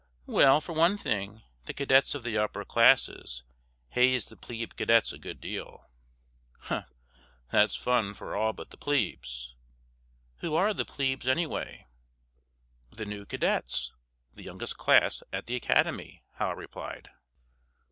"Well, for one thing, the cadets of the upper classes haze the plebe cadets a good deal." "Humph! That's fun for all but the plebes. Who are the plebes, anyway?" "The new cadets; the youngest class at the Academy," Hal replied.